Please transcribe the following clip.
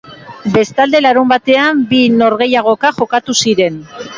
Bestalde, larunbatean bi norgehiagoka jokatu ziren.